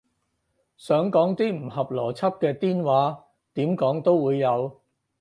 想講啲唔合邏輯嘅癲話，點講都會有